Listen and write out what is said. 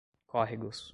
córregos